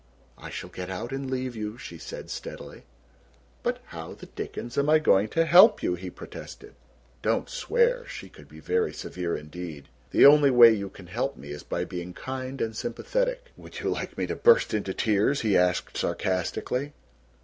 "I shall get out and leave you," she said steadily. "But how the dickens am I going to help you?" he protested. "Don't swear," she could be very severe indeed; "the only way you can help me is by being kind and sympathetic." "Would you like me to burst into tears?" he asked sarcastically.